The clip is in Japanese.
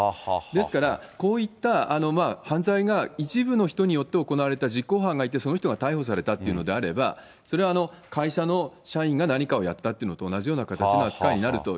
ですから、こういった犯罪が一部の人によって行われた実行犯がいて、その人が逮捕されたっていうのであれば、それは会社の社員が何かをやったってのと同じような扱いになると